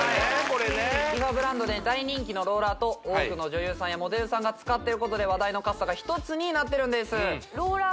これねＲｅＦａブランドで大人気のローラーと多くの女優さんやモデルさんが使ってることで話題のカッサが一つになってるんです